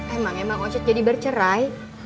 emang emang oncet jadi bercerai